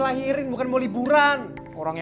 sekarang aja besok baliknya